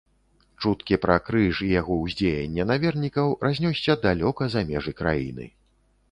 Чуткі пра крыж і яго ўздзеянне на вернікаў разнёсся далёка за межы краіны.